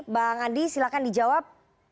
bang andi silakan dijawab